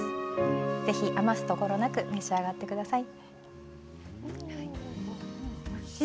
ぜひ余すとこなく召し上がってください。